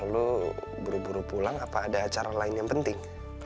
lalu buru buru pulang apa ada acara lain yang penting